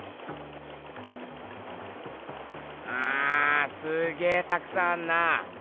うんすげぇたくさんあんな。